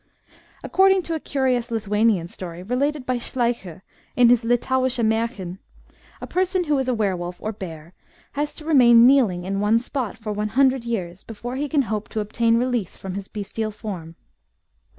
According to a curious Lithuanian story related by Schleicher in his Litauische Mrirchen, a person who is a were wolf or bear has to remain kneeling in one spot for one hundred years before he can hope to obtain release from his bestial form.